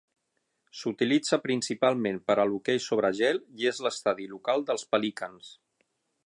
S'utilitza principalment per a l'hoquei sobre gel i és l'estadi local dels Pelicans.